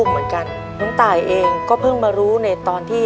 หนุ่มตายเองก็เพิ่งมารู้ในตอนที่